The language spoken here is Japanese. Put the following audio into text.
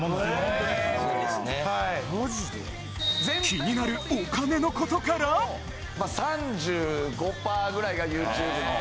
気になるお金のことからまあ３５パーぐらいがＹｏｕＴｕｂｅの。